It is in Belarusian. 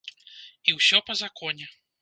І ўсё па законе.